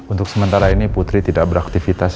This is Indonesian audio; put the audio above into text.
untuk sementara ini putri tidak beraktivitas